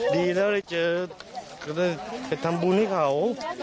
ดีแล้วได้เจอก็ได้ไปทำบุญให้เขา